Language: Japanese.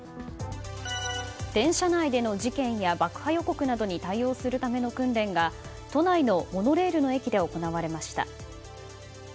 電車内での事件や爆破予告などに対応するための訓練が都内のモノレールの駅で行われました。